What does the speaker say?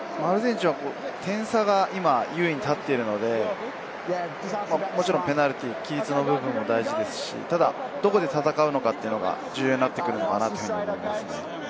アルゼンチンは点差が優位に立っているので、もちろんペナルティー、規律の部分は大事ですし、ただどこで戦うかが重要になってくると思います。